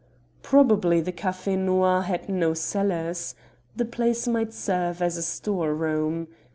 Probably the Café Noir had no cellars. The place might serve as a store room.